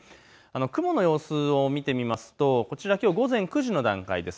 雲の様子を見てみますとこちら午前９時の段階です。